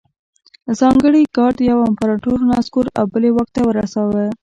ځانګړي ګارډ یو امپرتور رانسکور او بل یې واک ته رساوه